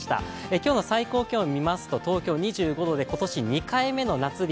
今日の最高気温を見ますと、東京は２５度で今年２回目の夏日。